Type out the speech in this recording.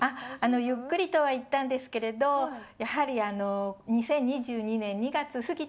ゆっくりとは言ったんですけどやはり２０２２年。